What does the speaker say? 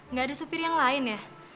nggak ada supir yang lain ya